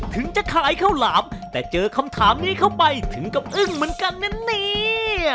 ถึงจะขายข้าวหลามแต่เจอคำถามนี้เข้าไปถึงกับอึ้งเหมือนกันนะเนี่ย